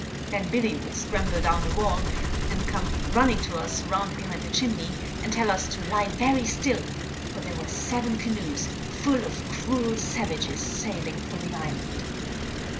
Then Billy would scramble down the wall, and come running to us 'round behind the chimney, and tell us to lie very still, for there were seven canoes full of cruel savages sailing for the island.